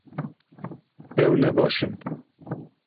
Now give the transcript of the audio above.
Ew ne baş in